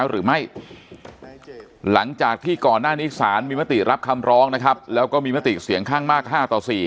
หรือไม่หลังจากที่ก่อนหน้านี้สารมีมติรับคำร้องนะครับแล้วก็มีมติเสียงข้างมาก๕ต่อ๔